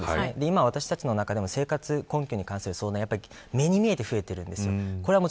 今、私たちの中でも生活困窮に関する相談が目に見えて増えています。